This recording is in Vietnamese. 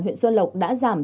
huyện xuân lộc đã giảm